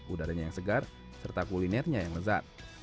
udaranya yang segar serta kulinernya yang lezat